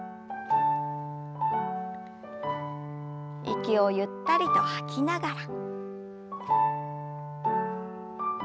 息をゆったりと吐きながら。